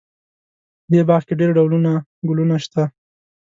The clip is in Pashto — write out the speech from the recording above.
په دې باغ کې ډېر ډولونه ګلونه شته